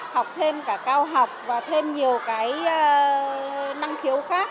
học thêm cả cao học và thêm nhiều cái năng khiếu khác